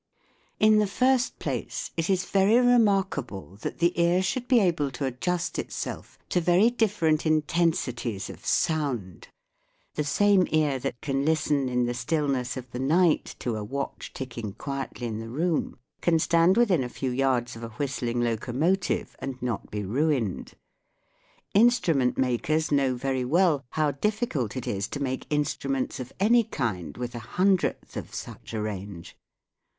In the first place, it is very remarkable that the ear should be able to adjust itself to very different intensities of sound. The same ear that can listen in the stillness of the night to a watch ticking quietly in the room can stand within a few yards of a whistling locomotive and not be ruined. Instru ment makers know very well how difficult it is to make instruments of any kind with a hundredth of such a range.